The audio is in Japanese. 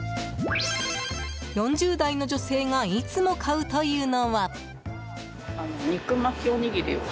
４０代の女性がいつも買うというのは。